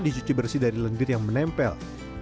dicuci bersih dari lendir yang menempel